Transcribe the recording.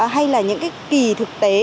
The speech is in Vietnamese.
hay là những cái kỳ thực tế